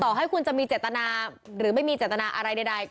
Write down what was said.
ให้คุณจะมีเจตนาหรือไม่มีเจตนาอะไรใด